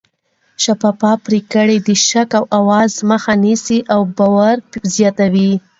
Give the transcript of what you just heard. شفافه پرېکړې د شک او اوازو مخه نیسي او باور زیاتوي